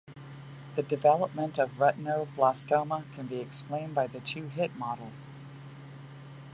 The development of retinoblastoma can be explained by the two-hit model.